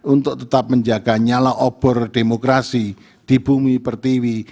untuk tetap menjaga nyala obor demokrasi di bumi pertiwi